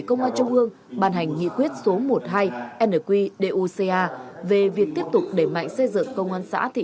công an trung ương ban hành nghị quyết số một mươi hai nqduca về việc tiếp tục đẩy mạnh xây dựng công an xã thị